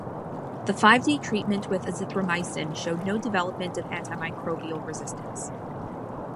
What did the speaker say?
The five-day treatment with azithromycin showed no development of antimicrobial resistance.